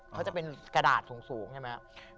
เขาจะเป็นกระดาษสูงใช่ไหมครับ